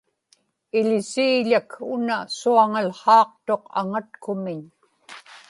iḷisiiḷak una suaŋałhaaqtuq aŋatkumiñ